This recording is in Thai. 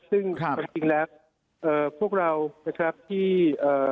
ซึ่งความจริงแล้วเอ่อพวกเรานะครับที่เอ่อ